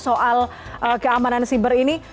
soal keamanan cyber ini